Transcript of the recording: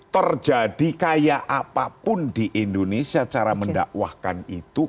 terjadi kayak apapun di indonesia cara mendakwahkan itu